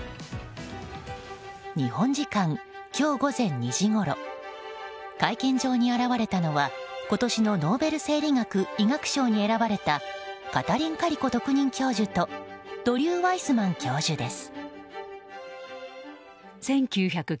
日本時間今日午前２時ごろ会見場に現れたのは今年のノーベル生理学・医学賞に選ばれたカタリン・カリコ特任教授とドリュー・ワイスマン教授です。